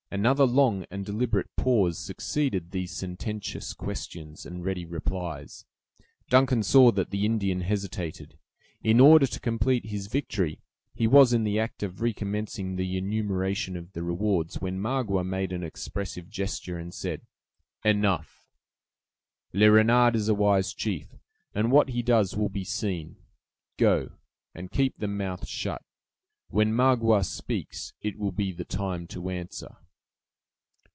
Another long and deliberate pause succeeded these sententious questions and ready replies. Duncan saw that the Indian hesitated. In order to complete his victory, he was in the act of recommencing the enumeration of the rewards, when Magua made an expressive gesture and said: "Enough; Le Renard is a wise chief, and what he does will be seen. Go, and keep the mouth shut. When Magua speaks, it will be the time to answer."